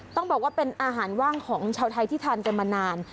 ต้องบอกว่าเป็นอาหารว่างของชาวไทยที่ทานกันมานาน